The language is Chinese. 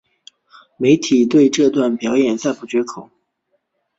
媒体对这段表演赞不绝口。